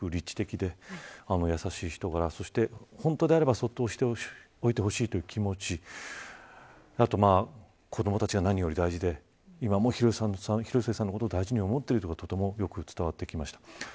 見て、正直思うのはすごく理知的で、優しい人柄そして本当であればそっとしておいてほしいという気持ちあと子どもたちが何より大事で今も広末さんのことを大事に思っているということがとてもよく伝わってきました。